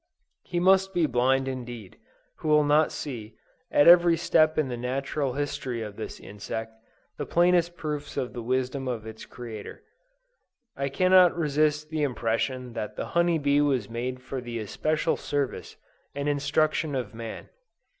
He must be blind indeed, who will not see, at every step in the natural history of this insect, the plainest proofs of the wisdom of its Creator. I cannot resist the impression that the honey bee was made for the especial service and instruction of man.